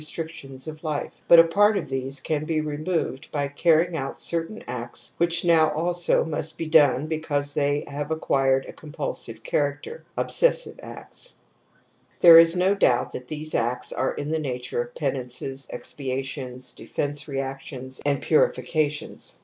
X u ^\/' 48 TOTEM AND TABOO tions andC^estric^ons of life, but a part of these can be removed py carrying out certain acts which now also must be done because they have acquired a pgrnpidsiye c haracter ^s^sive acts' there is no aoubt that theseactsareirTthe nature of penances, expiations, defence reactions, and purifications.